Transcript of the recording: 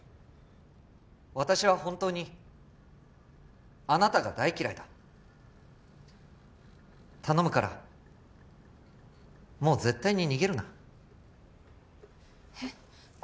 私は本当にあなたが大嫌いだ頼むからもう絶対に逃げるなえっこ